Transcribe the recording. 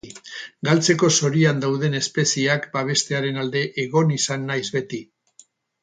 Galtzeko zorian dauden espezieak babestearen alde egon izan naiz beti.